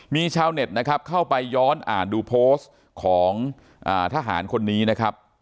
มีชาวเน็ตนะครับเข้าไปย้อนอ่านดูโพสต์ของทหารคนนี้นะครับ